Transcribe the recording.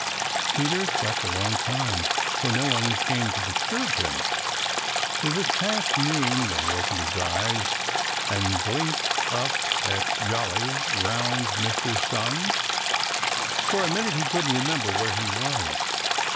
Peter slept a long time, for no one came to disturb him. It was past noon when he opened his eyes and blinked up at jolly, round, red Mr. Sun. For a minute he couldn't remember where he was.